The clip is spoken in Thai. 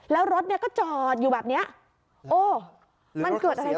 แล้วรถเนี่ยก็จอดอยู่แบบเนี้ยโอ้มันเกิดอะไรขึ้น